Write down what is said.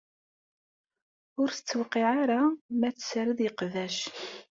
Ur tt-tewqiɛ ara ma tessared iqbac.